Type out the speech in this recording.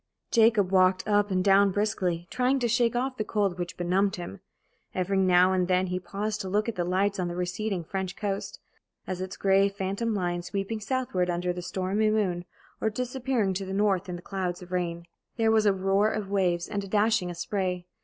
Jacob walked up and down briskly, trying to shake off the cold which benumbed him. Every now and then he paused to look at the lights on the receding French coast, at its gray phantom line sweeping southward under the stormy moon, or disappearing to the north in clouds of rain. There was a roar of waves and a dashing of spray.